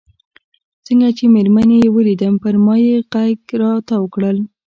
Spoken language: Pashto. څنګه چې مېرمنې یې ولیدم پر ما یې غېږ را وتاو کړل.